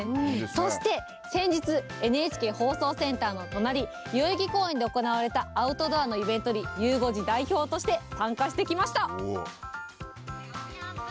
そして、先日、ＮＨＫ放送センターの隣、代々木公園で行われたアウトドアのイベントに、ゆう５時代表として参加してきました。